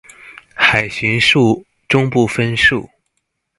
海巡署中部分署